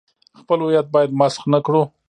خپل هویت باید مسخ نه کړو.